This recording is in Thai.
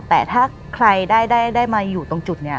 แต่ถ้าใครได้มาอยู่ตรงจุดนี้